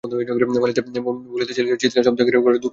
বলিতে বলিতেই ছেলেরা চীৎকার-শব্দে গান ধরিল– দুখনিশীথিনী হল আজি ভোর।